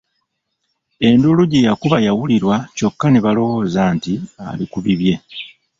Enduulu gye yakuba yawulirwa kyokka ne balowooza nti ali ku bibye.